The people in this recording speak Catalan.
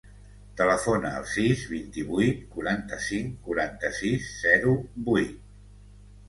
Telefona al sis, vint-i-vuit, quaranta-cinc, quaranta-sis, zero, vuit.